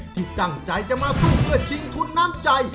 ที่ตั้งใจจะมาสู้เพื่อชิงทุนน้ำใจ